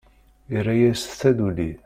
Irra-yas taduli.